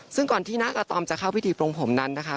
ซึ่งก่อนที่หน้ากาตอมจะเข้าพิธีปลงผมนั้นนะคะ